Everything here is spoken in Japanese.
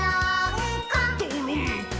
「どろんこ！」